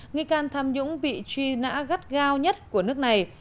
nghi can tham nhũng bị truy nã gắt gao nhất của nước này